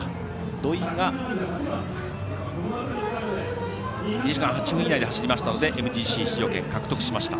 土井が２時間８分以内で走りましたのでＭＧＣ出場権獲得しました。